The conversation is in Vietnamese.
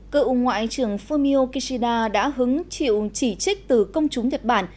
cựu ngoại trưởng fumio kishida đã hứng chịu chỉ trích từ công chúng nhật bản